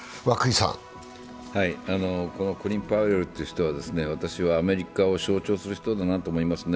コリン・パウエルという人は、私はアメリカを象徴する人だなと思いますね。